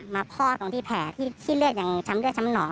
มาพอกตรงที่แผลที่ช้ำเลือดช้ำหนอง